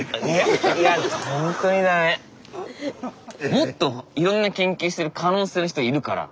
もっといろんな研究してる可能性の人いるから。